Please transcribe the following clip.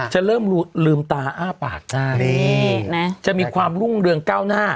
จะเริ่มลืมตาอ้าปากได้นี่นะจะมีความรุ่งเรืองก้าวหน้า